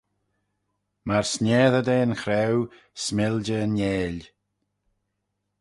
Myr sniessey da'n chraue s'miljey yn eill